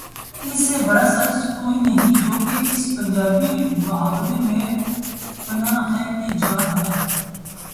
اس سے بڑا سچ کوئی نہیں جو کہ اس پنجابی محاورے میں پنہاں ہے کہ جان ہے۔